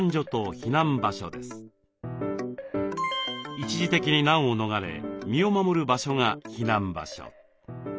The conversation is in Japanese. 一時的に難を逃れ身を守る場所が「避難場所」。